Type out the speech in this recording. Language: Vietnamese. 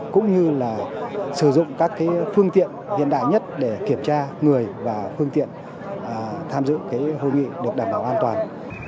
cũng như là sử dụng các phương tiện hiện đại nhất để kiểm tra người và phương tiện tham dự hội nghị được đảm bảo an toàn